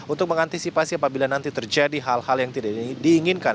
untuk mengantisipasi apabila nanti terjadi hal hal yang tidak diinginkan